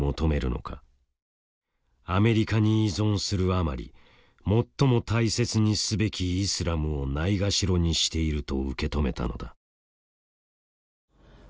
アメリカに依存するあまり最も大切にすべきイスラムをないがしろにしていると受け止めたのだ。